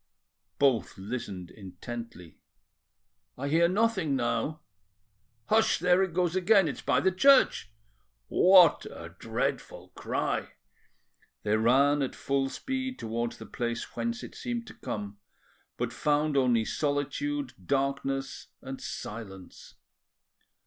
Both listened intently. "I hear nothing now." "Hush! there it goes again. It's by the church." "What a dreadful cry!" They ran at full speed towards the place whence it seemed to come, but found only solitude, darkness, and silence.